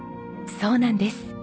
そうなんです。